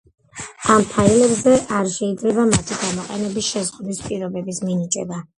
ამ ფაილებზე არ შეიძლება მათი გამოყენების შეზღუდვის პირობების მინიჭება.